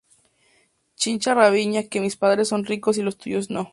Chincha rabiña que mis padres son ricos y los tuyos no